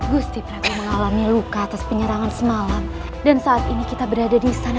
gusti prako mengalami luka atas penyerangan semalam dan saat ini kita berada di sana